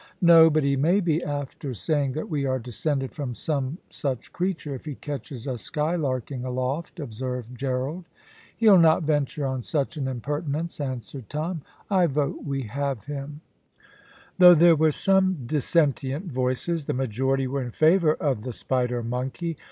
"No, but he may be after saying that we are descended from some such creature, if he catches us skylarking aloft," observed Gerald. "He'll not venture on such an impertinence," answered Tom. "I vote we have him." Though there were some dissentient voices, the majority were in favour of the spider monkey.